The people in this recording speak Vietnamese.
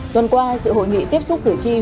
tuần qua sự hội nghị tiếp xúc cửa chim